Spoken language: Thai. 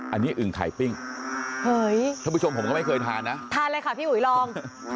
อันนี้อึงไข่ปิ้งเพื่อทรงพูดผมไม่เคยทานนะทานแล้วค่ะพี่อุยลอง